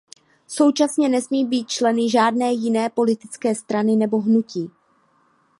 Současně nesmí být členy žádné jiné politické strany nebo hnutí.